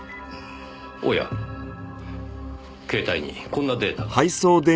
おや携帯にこんなデータが。